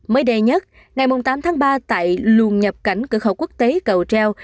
mới đây nhất ngày tám tháng ba tại luồng nhập cảnh cửa khẩu quốc tế cầu treo